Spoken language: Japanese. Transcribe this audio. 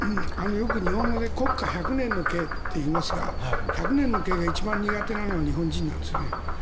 よく日本語で国家百年の計といいますが百年の計が一番苦手なのは日本人なんですね。